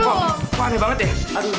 aduh aneh banget ya